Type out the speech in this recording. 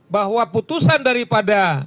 bahwa putusan daripada